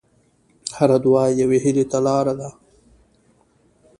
هره دعا یوه هیلې ته لاره ده.